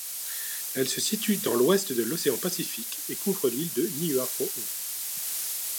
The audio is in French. Elle se situe dans l'Ouest de l'océan Pacifique et couvre l'île de Niuafo'ou.